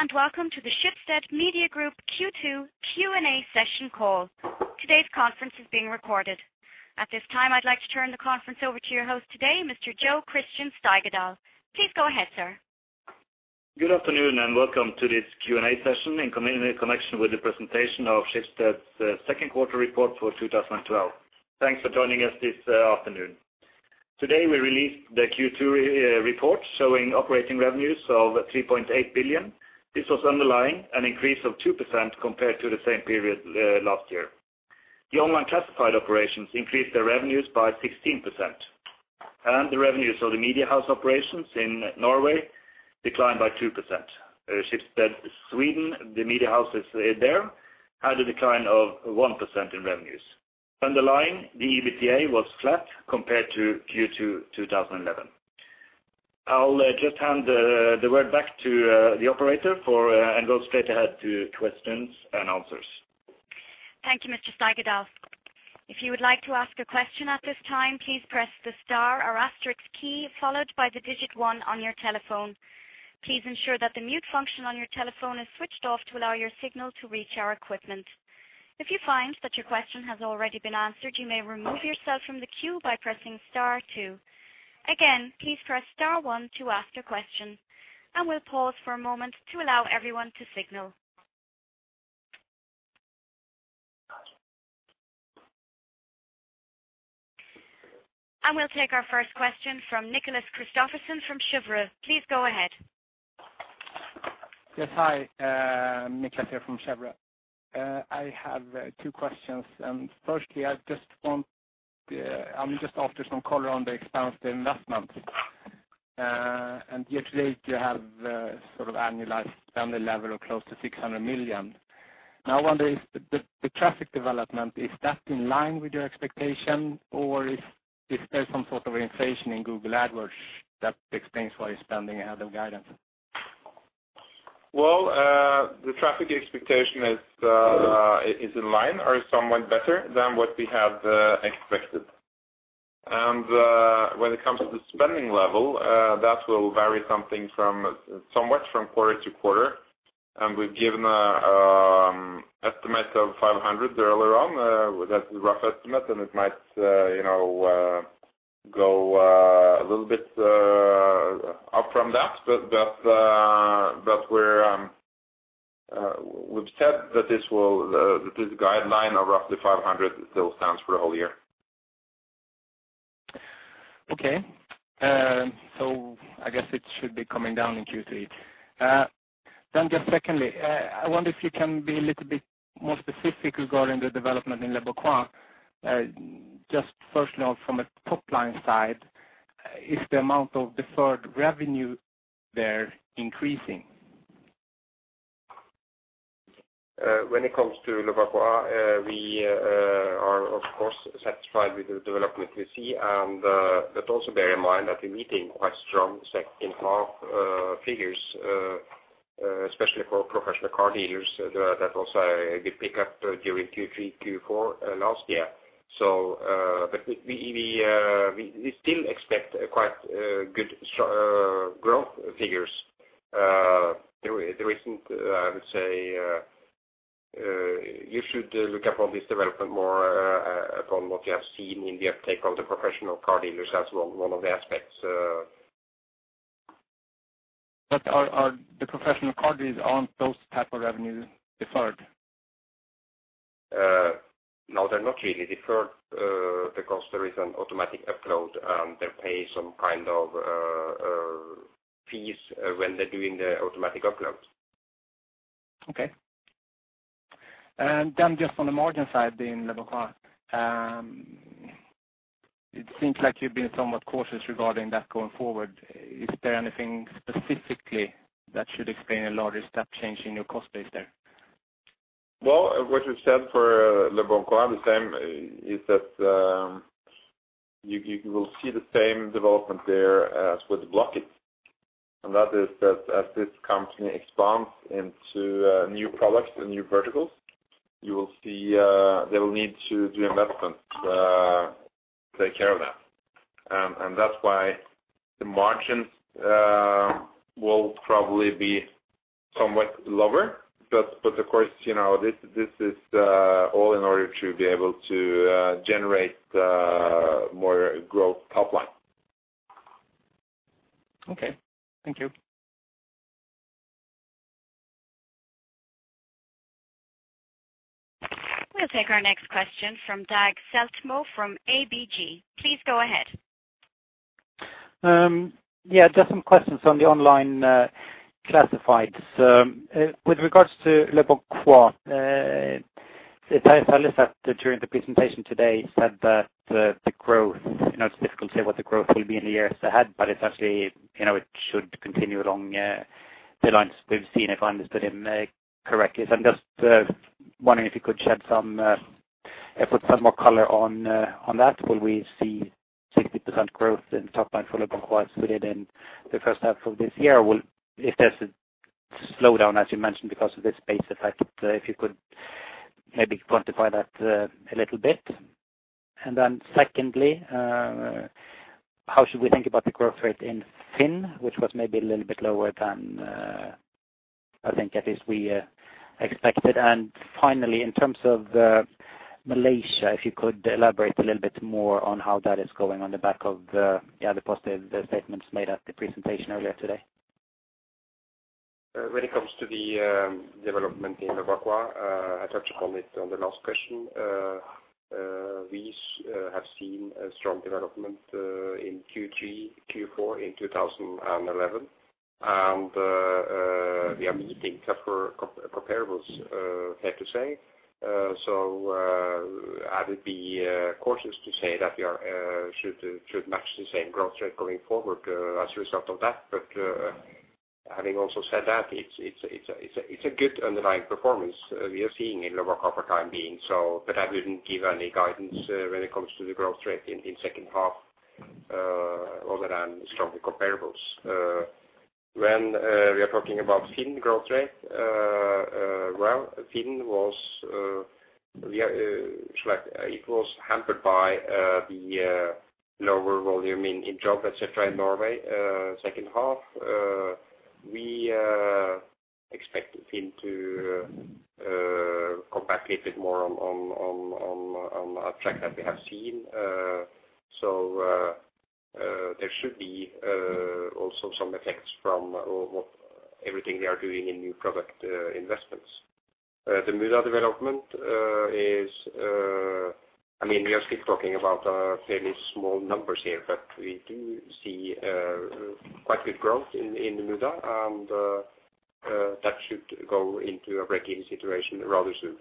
Today, welcome to the Schibsted Media Group Q2 Q&A session call. Today's conference is being recorded. At this time, I'd like to turn the conference over to your host today, Mr. Jo Christian Steigedal. Please go ahead, sir. Good afternoon and welcome to this Q&A session in community connection with the presentation of Schibsted's second quarter report for 2012. Thanks for joining us this afternoon. Today, we released the Q2 report showing operating revenues of 3.8 billion. This was underlying an increase of 2% compared to the same period last year. The online classified operations increased their revenues by 16%, and the revenues of the media house operations in Norway declined by 2%. Schibsted Sweden, the media houses there, had a decline of 1% in revenues. Underlying, the EBITA was flat compared to Q2, 2011. I'll just hand the word back to the operator for and go straight ahead to questions and answers. Thank you, Mr. Steigedal. If you would like to ask a question at this time, please press the star or asterisk key followed by the digit one on your telephone. Please ensure that the mute function on your telephone is switched off to allow your signal to reach our equipment. If you find that your question has already been answered, you may remove yourself from the queue by pressing star two. Again, please press star one to ask your question, and we'll pause for a moment to allow everyone to signal. We'll take our first question from Nicholas Christopherson from Cheuvreux. Please go ahead. Yes. Hi, Nicholas here from Cheuvreux. I have 2 questions. firstly, I'm just after some color on the expense, the investment. year-to-date, you have sort of annualized standard level of close to 600 million. Now, I wonder is the traffic development, is that in line with your expectation? Or is there some sort of inflation in Google AdWords that explains why you're spending ahead of guidance? Well, the traffic expectation is in line or is somewhat better than what we had expected. When it comes to the spending level, that will vary somewhat from quarter-to-quarter. We've given an estimate of 500 earlier on. That's a rough estimate, and it might, you know, go a little bit up from that. We're, we've said that this guideline of roughly 500 still stands for a whole year. I guess it should be coming down in Q3. Just secondly, I wonder if you can be a little bit more specific regarding the development in Leboncoin. Just personally from a top-line side, is the amount of deferred revenue there increasing? When it comes to Leboncoin, we are of course, satisfied with the development we see. But also bear in mind that we're meeting quite strong sec in half figures, especially for professional car dealers. That was a good pickup during Q3, Q4 last year. But we still expect quite good growth figures. There isn't, I would say, you should look upon this development more upon what you have seen in the uptake of the professional car dealers as one of the aspects. Are the professional car dealers, aren't those type of revenues deferred? No, they're not really deferred, because there is an automatic upload, and they pay some kind of fees, when they're doing the automatic uploads. Okay. Just on the margin side in Leboncoin, it seems like you've been somewhat cautious regarding that going forward. Is there anything specifically that should explain a larger step change in your cost base there? Well, what you said for Leboncoin, the same is that, you will see the same development there as with Blocket. That is that as this company expands into new products and new verticals, you will see, they will need to do investment to take care of that. That's why the margins will probably be somewhat lower. Of course, you know, this is all in order to be able to generate more growth top line. Okay. Thank you. We'll take our next question from Dag Sletmo from ABG. Please go ahead. Yeah, just some questions on the online classifieds. With regards to Leboncoin, as I listened during the presentation today said that the growth, you know, it's difficult to say what the growth will be in the years ahead, it's actually, you know, it should continue along the lines we've seen, if I understood him correctly. I'm just wondering if you could shed some, put some more color on that. Will we see 60% growth in top line for Leboncoin as we did in the first half of this year? If there's a slowdown, as you mentioned, because of this base effect, if you could maybe quantify that a little bit. Secondly, how should we think about the growth rate in FINN, which was maybe a little bit lower than, I think at least we expected. Finally, in terms of Malaysia, if you could elaborate a little bit more on how that is going on the back of the positive statements made at the presentation earlier today. When it comes to the development in Novaqua, I touched upon it on the last question. We have seen a strong development in Q3, Q4 in 2011. We are meeting comparables, fair to say. I would be cautious to say that we should match the same growth rate going forward as a result of that. Having also said that, it's a good underlying performance we are seeing in Novaqua for time being. But I wouldn't give any guidance when it comes to the growth rate in second half, other than stronger comparables. When we are talking about FINN growth rate, well, FINN was. It was hampered by the lower volume in job, et cetera, in Norway, second half. We expect FINN to come back a little bit more on a track that we have seen. There should be also some effects from what everything we are doing in new product investments. The Muda development is, I mean, we are still talking about fairly small numbers here, but we do see quite good growth in Muda. That should go into a break-even situation rather soon.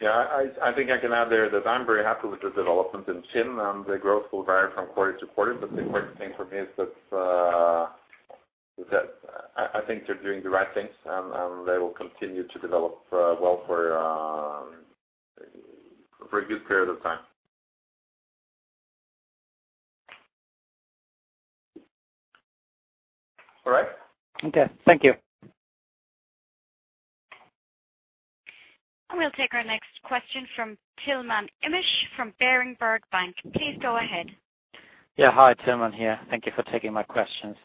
Yeah. I think I can add there that I'm very happy with the development in FINN. The growth will vary from quarter to quarter. The important thing for me is that I think they're doing the right things and they will continue to develop well for a good period of time. All right. Okay. Thank you. We'll take our next question from Tilman Imisch from Berenberg Bank. Please go ahead. Yeah. Hi, Tilman here. Thank you for taking my questions.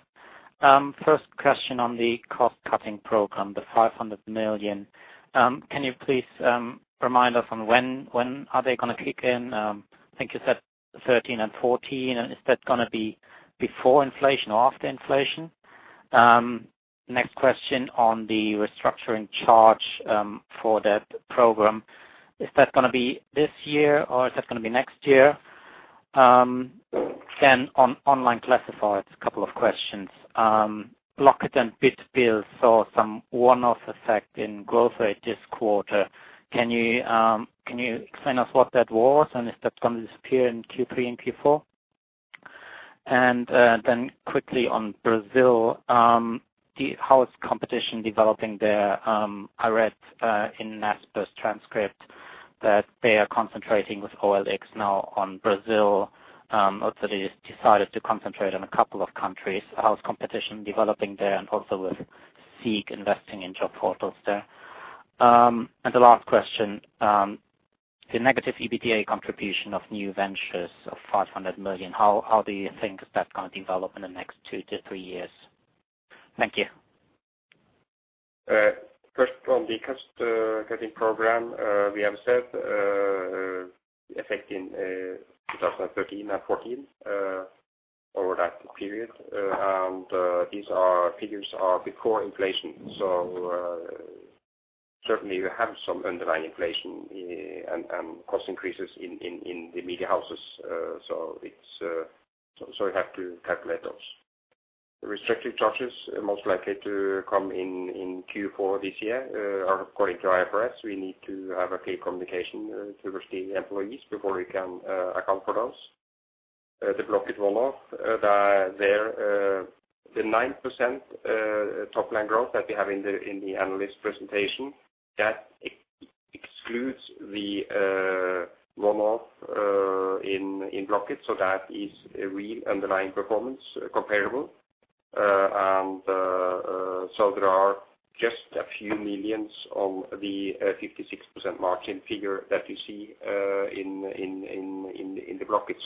First question on the cost-cutting program, the 500 million. Can you please remind us on when are they gonna kick in? I think you said 2013 and 2014. Is that gonna be before inflation or after inflation? Next question on the restructuring charge for that program. Is that gonna be this year or is that gonna be next year? On online classifieds, a couple of questions. Blocket and Bytbil saw some one-off effect in growth rate this quarter. Can you explain us what that was and if that's gonna disappear in Q3 and Q4? Then quickly on Brazil, how is competition developing there? I read in Naspers transcript that they are concentrating with OLX now on Brazil after they decided to concentrate on a couple of countries. How is competition developing there and also with SEEK investing in job portals there? The last question, the negative EBITDA contribution of new ventures of 500 million, how do you think that's gonna develop in the next two to three years? Thank you. First on the cost cutting program, we have said, effecting 2013 and 2014 over that period. These are figures are before inflation. Certainly we have some underlying inflation and cost increases in the media houses. It's, so we have to calculate those. The restructuring charges are most likely to come in Q4 this year. According to IFRS, we need to have a clear communication towards the employees before we can account for those. The Blocket one-off, there, the 9% top-line growth that we have in the analyst presentation, that excludes the one-off in Blocket. That is a real underlying performance comparable. There are just a few million on the 56% margin figure that you see in the Blocket.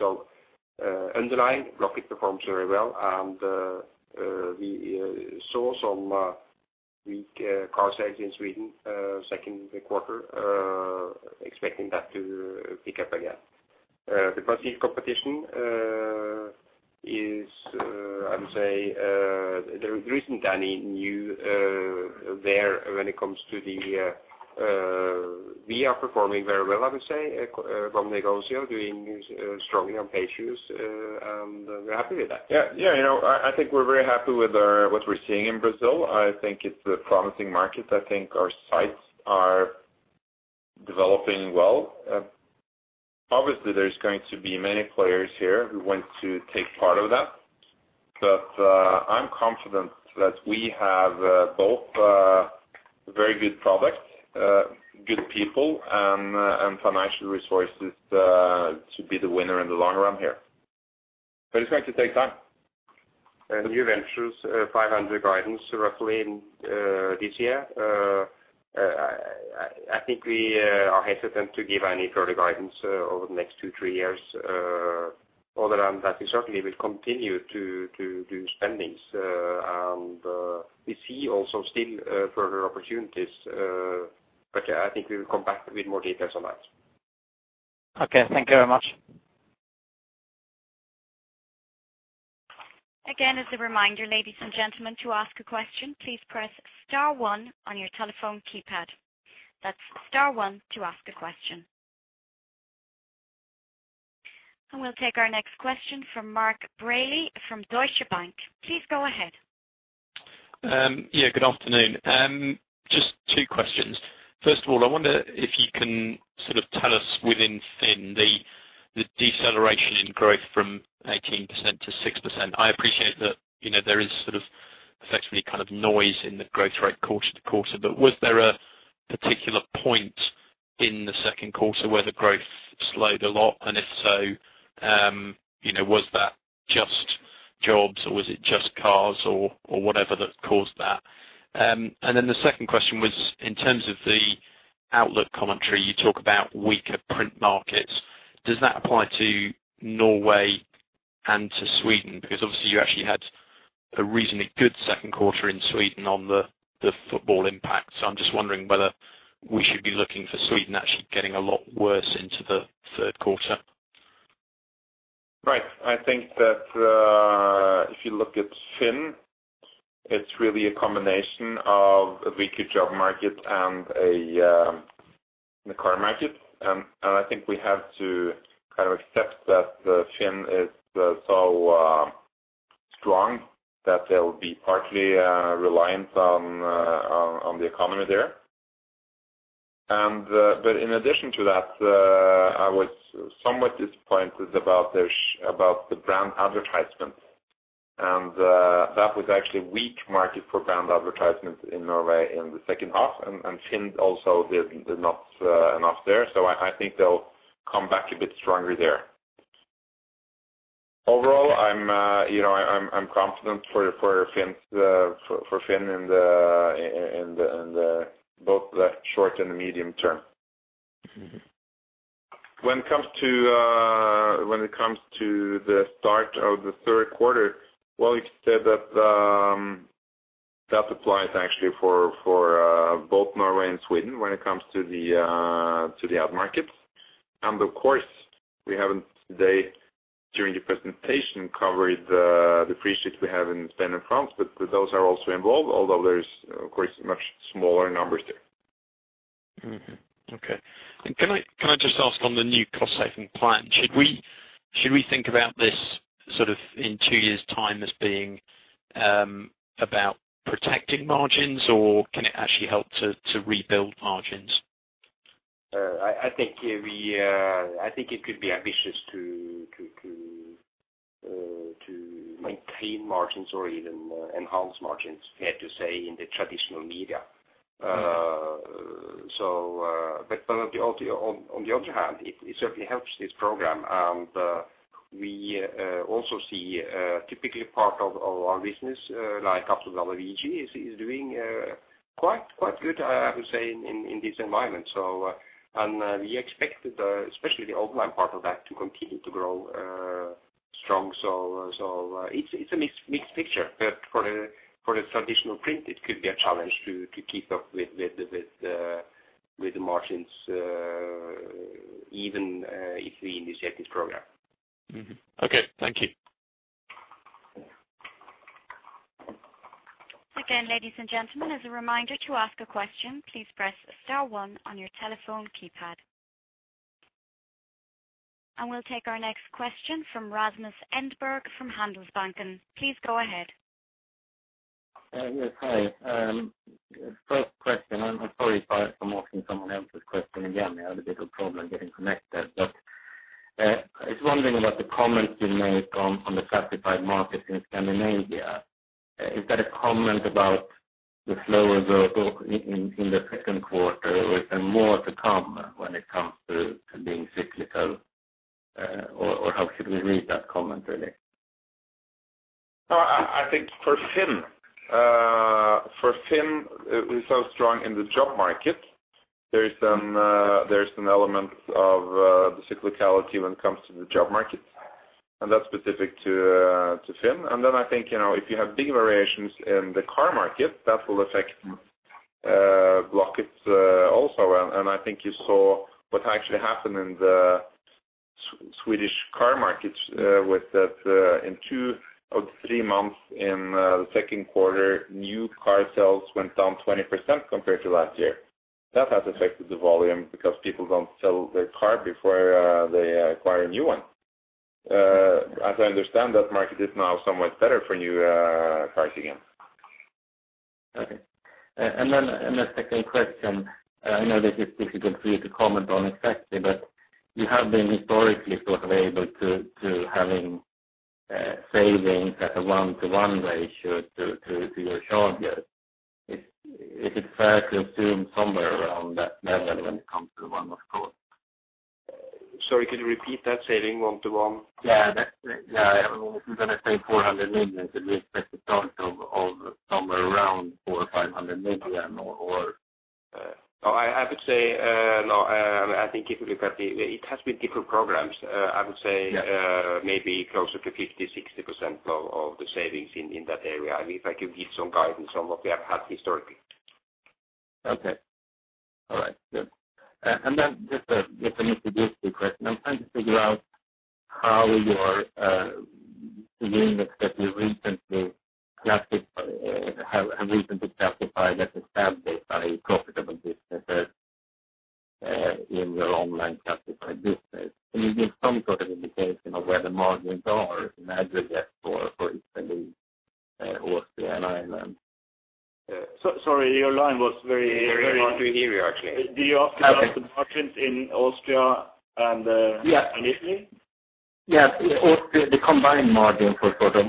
Underlying Blocket performs very well. We saw some weak car sales in Sweden, second quarter, expecting that to pick up again. The Brazil competition is, I would say, there isn't any new there when it comes to the, we are performing very well, I would say, at Bom Negócio, doing strongly on Paid Search. We're happy with that. Yeah. Yeah. You know, I think we're very happy with what we're seeing in Brazil. I think it's a promising market. I think our sites are developing well. Obviously there's going to be many players here who want to take part of that. I'm confident that we have both very good product, good people and financial resources to be the winner in the long run here. It's going to take time. New ventures, 500 guidance roughly in this year. I think we are hesitant to give any further guidance over the next two, three years. Other than that, we certainly will continue to do spendings. We see also still further opportunities. I think we will come back with more details on that. Okay, thank you very much. Again, as a reminder, ladies and gentlemen, to ask a question, please press star one on your telephone keypad. That's star one to ask a question. We'll take our next question from Mark Braley from Deutsche Bank. Please go ahead. Yeah, good afternoon. Just 2 questions. First of all, I wonder if you can sort of tell us within FINN the deceleration in growth from 18% to 6%. I appreciate that, you know, there is sort of effectively kind of noise in the growth rate quarter to quarter. Was there a particular point in the second quarter where the growth slowed a lot? If so, you know, was that just jobs or was it just cars or whatever that caused that? Then the second question was, in terms of the outlook commentary, you talk about weaker print markets. Does that apply to Norway and to Sweden? Obviously, you actually had a reasonably good second quarter in Sweden on the football impact. I'm just wondering whether we should be looking for Sweden actually getting a lot worse into the third quarter. Right. I think that if you look at FINN, it's really a combination of a weaker job market and the car market. I think we have to kind of accept that FINN is so strong that they'll be partly reliant on the economy there. In addition to that, I was somewhat disappointed about this, about the brand advertisements. That was actually weak market for brand advertisements in Norway in the second half. FINN also did not enough there. I think they'll come back a bit stronger there. Overall, I'm, you know, I'm confident for FINN's for FINN in the both the short and the medium term. Mm-hmm. When it comes to, when it comes to the start of the third quarter, well, we've said that applies actually for, both Norway and Sweden when it comes to the, to the ad market. Of course, we haven't today during the presentation covered, the price sheets we have in Spain and France, but those are also involved, although there's, of course, much smaller numbers there. Okay. Can I just ask on the new cost-saving plan, should we think about this sort of in two years' time as being about protecting margins, or can it actually help to rebuild margins? I think we, I think it could be ambitious to maintain margins or even enhance margins, fair to say, in the traditional media. On the other hand, it certainly helps this program. We also see, typically part of our business, like Aftonbladet is doing, quite good, I would say, in this environment. We expect especially the online part of that to continue to grow strong. It's a mixed picture. For the traditional print, it could be a challenge to keep up with the margins, even if we initiate this program. Mm-hmm. Okay. Thank you. Again, ladies and gentlemen, as a reminder, to ask a question, please press star one on your telephone keypad. We'll take our next question from Rasmus Engberg from Handelsbanken. Please go ahead. Yes. Hi. First question, I'm sorry if I'm asking someone else's question again. I had a bit of problem getting connected. I was wondering about the comments you made on the classified market in Scandinavia. Is that a comment about the slower growth in the second quarter? Is there more to come when it comes to being cyclical? How should we read that comment, really? I think FINN is so strong in the job market. There is some, there is some element of the cyclicality when it comes to the job market, and that's specific to FINN. I think, you know, if you have big variations in the car market, that will affect Blocket also. I think you saw what actually happened in the Swedish car market with that in two of three months in the second quarter, new car sales went down 20% compared to last year. That has affected the volume because people don't sell their car before they acquire a new one. As I understand, that market is now somewhat better for new cars again. Okay. The second question, I know this is difficult for you to comment on exactly, but you have been historically sort of able to having savings at a 1-to-1 ratio to your charges. Is it fair to assume somewhere around that level when it comes to one of course? Sorry, could you repeat that saving one-to-one? Yeah, if you're gonna save NOK 400 million, did we expect to start of somewhere around 400 million-500 million? I would say, no, I think if you look at the It has been different programs. Yes. maybe closer to 50%-60% of the savings in that area. I mean, if I could give some guidance on what we have had historically. Okay. All right, good. Just an introductory question. I'm trying to figure out how your the units that you recently have recently classified as established by profitable businesses in your online classified business. Can you give some sort of indication of where the margins are in aggregate for instance, Austria and Ireland? sorry, your line was very- Very hard to hear you actually. Do you ask? Okay. the margins in Austria and. Yeah. Italy? Yes. The combined margin for sort of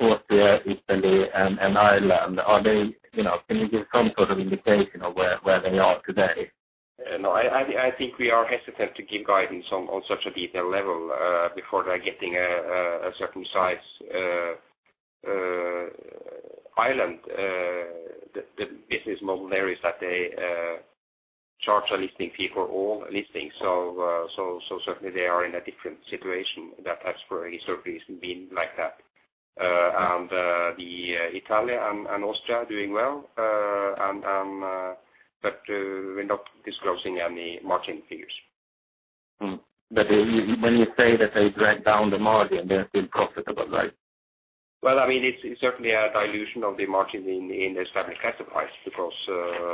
Austria, Italy and Ireland. You know, can you give some sort of indication of where they are today? I think we are hesitant to give guidance on such a detailed level before they're getting a certain size. Ireland, the business model there is that they charge a listing fee for all listings. Certainly they are in a different situation. That has for historically been like that. The Italy and Austria are doing well, and we're not disclosing any margin figures. When you say that they drag down the margin, they're still profitable, right? Well, I mean, it's certainly a dilution of the margin in the established classifieds because.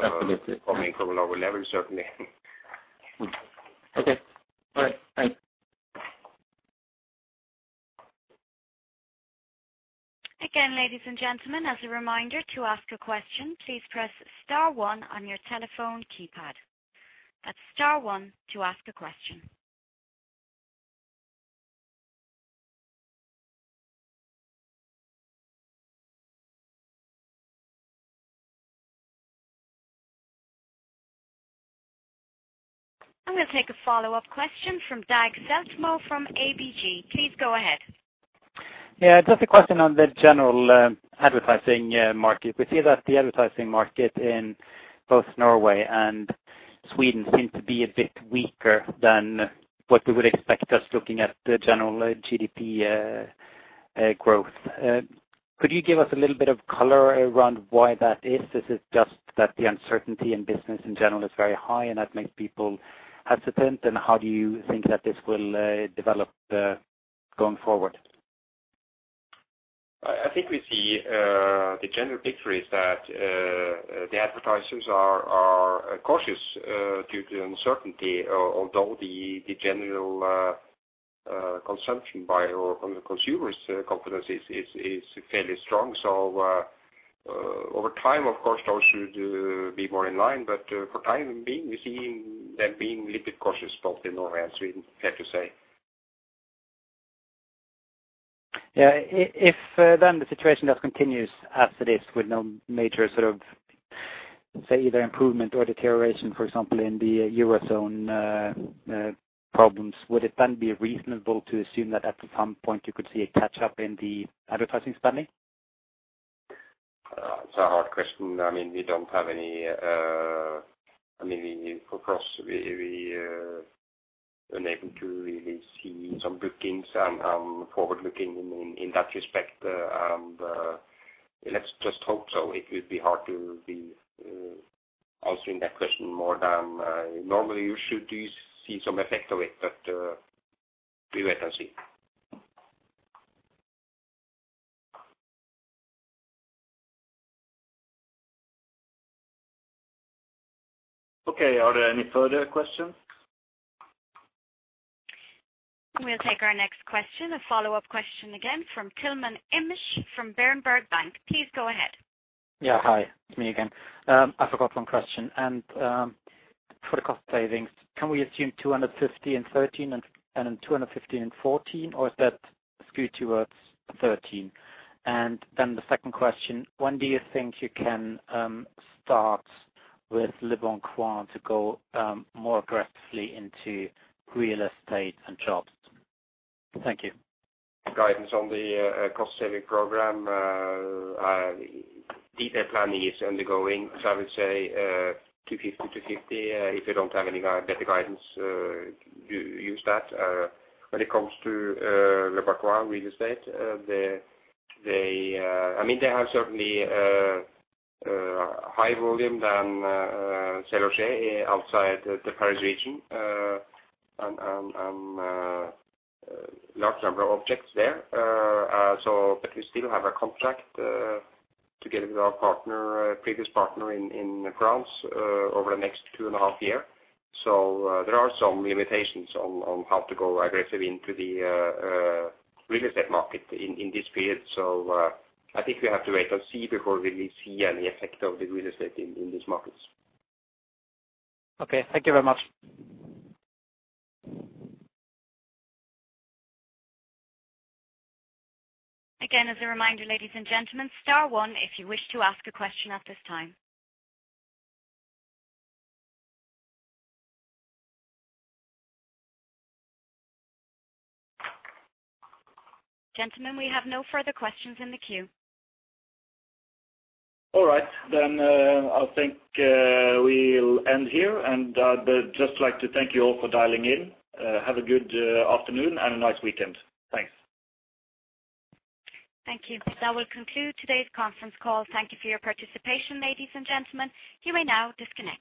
Absolutely. coming from a lower level, certainly. Okay. All right, thanks. Ladies and gentlemen, as a reminder to ask a question, please press star one on your telephone keypad. That's star one to ask a question. I'm gonna take a follow-up question from Dag Sletmo from ABG. Please go ahead. Just a question on the general advertising market. We see that the advertising market in both Norway and Sweden seem to be a bit weaker than what we would expect, just looking at the general GDP growth. Could you give us a little bit of color around why that is? Is it just that the uncertainty in business in general is very high and that makes people hesitant? How do you think that this will develop going forward? I think we see, the general picture is that, the advertisers are cautious, due to the uncertainty, although the general consumption by or on the consumer's confidence is fairly strong. Over time, of course, those should be more in line. For time being, we're seeing them being a little bit cautious both in Norway and Sweden, fair to say. Yeah. If then the situation just continues as it is with no major sort of, say, either improvement or deterioration, for example, in the Eurozone problems, would it then be reasonable to assume that at some point you could see a catch-up in the advertising spending? It's a hard question. I mean, we don't have any. I mean, we of course we are unable to really see some bookings and forward looking in that respect. Let's just hope so. It would be hard to be answering that question more than. Normally you should see some effect of it. We wait and see. Okay. Are there any further questions? We'll take our next question, a follow-up question again from Tilman Imisch from Berenberg Bank. Please go ahead. Yeah, hi. It's me again. I forgot one question. For the cost savings, can we assume 250 million in 2013 and 250 million in 2014, or is that skewed towards 2013? The second question, when do you think you can start with Leboncoin to go more aggressively into real estate and jobs? Thank you. Guidance on the cost-saving program, detail planning is undergoing. I would say 250. If you don't have any better guidance, use that. When it comes to Leboncoin real estate, I mean, they have certainly high volume than SeLoger outside the Paris region, and large number of objects there. We still have a contract together with our partner, previous partner in France, over the next two and a half year. There are some limitations on how to go aggressive into the real estate market in this period. I think we have to wait and see before we will see any effect of the real estate in these markets. Okay, thank you very much. As a reminder, ladies and gentlemen, star one if you wish to ask a question at this time. Gentlemen, we have no further questions in the queue. All right. I think, we'll end here. I'd just like to thank you all for dialing in. Have a good afternoon and a nice weekend. Thanks. Thank you. That will conclude today's conference call. Thank you for your participation, ladies and gentlemen. You may now disconnect.